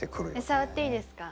触っていいですか？